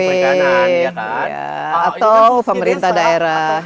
iya atau pemerintah daerah